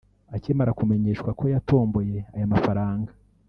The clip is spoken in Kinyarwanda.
Akimara kumenyeshwa ko yatomboye aya mafaranga